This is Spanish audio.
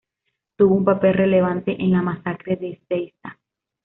Tuvo un papel relevante en la Masacre de Ezeiza.